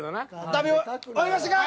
食べ終わりましたか？